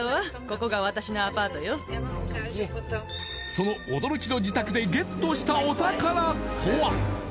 その驚きの自宅でゲットしたお宝とは？